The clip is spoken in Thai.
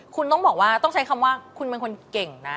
คุณต้องบอกว่าต้องใช้คำว่าคุณเป็นคนเก่งนะ